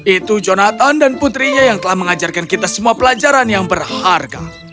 itu jonathan dan putrinya yang telah mengajarkan kita semua pelajaran yang berharga